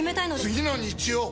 次の日曜！